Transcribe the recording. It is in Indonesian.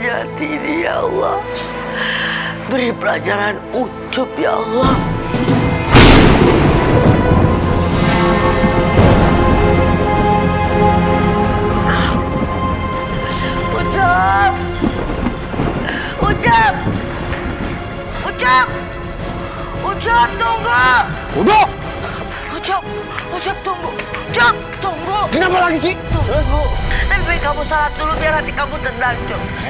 tapi biar kamu salat dulu biar hati kamu terdancung